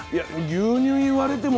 急に言われても⁉